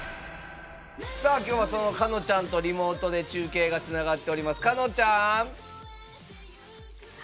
きょうはそのかのちゃんとリモートで中継がつながっております。